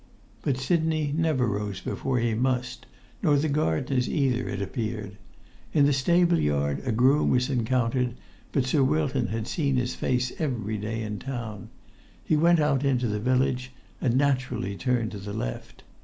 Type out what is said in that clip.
But Sidney never rose before he must, nor the gardeners either, it appeared. In the stable yard a groom was encountered, but Sir Wilton had seen his face every day in town. He went out into the village, and naturally turned to the left.